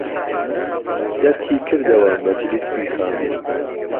دەرکی کردهوه مهجلیسی خانی